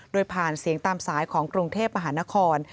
โดยผ่านเสียงตามสายของกรุงเทพมหานคร